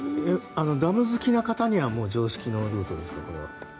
ダム好きな方には常識なルートですか、これは。